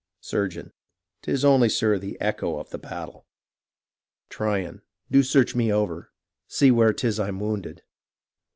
Surgeon 'Tis only, sir, the echo of the battle. Tryon Do search me over — see where 'tis I'm wounded.